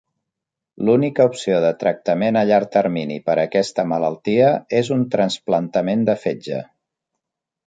L'única opció de tractament a llarg termini per aquesta malaltia és un trasplantament de fetge.